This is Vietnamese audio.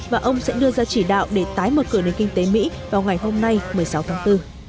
và ông sẽ đưa ra chỉ đạo để tái mở cửa nền kinh tế mỹ vào ngày hôm nay một mươi sáu tháng bốn